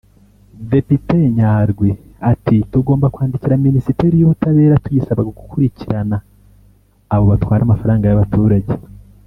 Depite Nyadwi ati ”Tugomba kwandikira Minisiteri y’Ubutabera tuyisaba gukurikirana abo batwara amafaranga y’abaturage